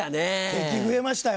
敵増えましたよ